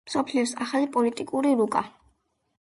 მსოფლიოს ახალი პოლიტიკური რუკა